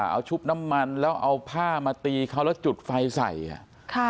เอาชุบน้ำมันแล้วเอาผ้ามาตีเขาแล้วจุดไฟใส่อ่ะค่ะ